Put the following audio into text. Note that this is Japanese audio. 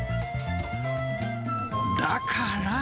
だから。